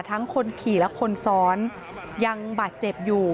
คนขี่และคนซ้อนยังบาดเจ็บอยู่